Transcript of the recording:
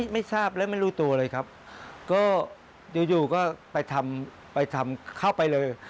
ไม่ทราบและไม่รู้ตัวเลยครับก็อยู่อยู่ก็ไปทำไปทำเข้าไปเลย